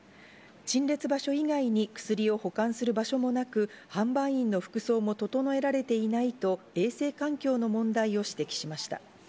陳列場所以外に薬を保管する場所もなく販売員の服装も整えられていないと衛生環境の問題を指摘しました。